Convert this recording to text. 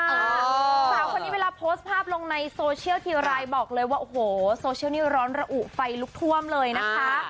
สาวคนนี้เวลาโพสต์ภาพลงในโซเชียลทีไรบอกเลยว่าโอ้โหโซเชียลนี้ร้อนระอุไฟลุกท่วมเลยนะคะ